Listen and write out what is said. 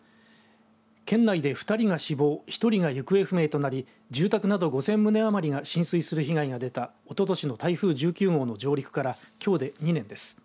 県内で２人が死亡１人が行方不明となり住宅など５０００棟余りが浸水する被害が出たおととしの台風１９号の上陸からきょうで２年です。